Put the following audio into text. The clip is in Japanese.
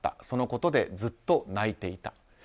そのことでずっと泣いていた。